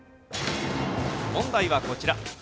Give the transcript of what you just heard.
問題はこちら。